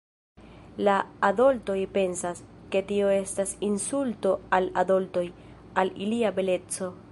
La adoltoj pensas, ke tio estas insulto al adoltoj, al ilia beleco.